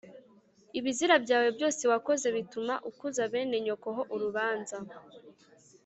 ibizira byawe byose wakoze bituma ukuza bene nyoko ho urubanza